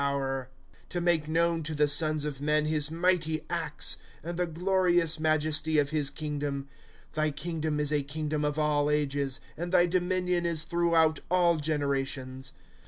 Google ^^ To make known to the sons of men his mighty acts, And the glorious majesty of his kingdom. '^ Thy kingdom is a kingdom of all ages, And thy dominion is throughout all generations.